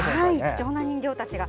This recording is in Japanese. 貴重な人形たちが。